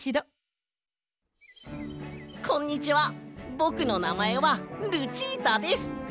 ぼくのなまえはルチータです！